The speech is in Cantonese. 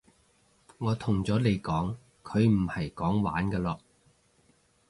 我同咗你講佢唔係講玩㗎囉